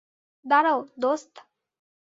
দাঁড়াও, দোস্ত।